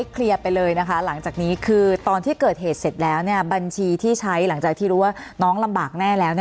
เคลียร์ไปเลยนะคะหลังจากนี้คือตอนที่เกิดเหตุเสร็จแล้วบัญชีที่ใช้หลังจากที่รู้ว่าน้องลำบากแน่แล้ว